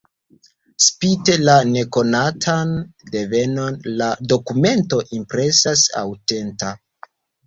Spite la nekonatan devenon la dokumento impresas aŭtenta.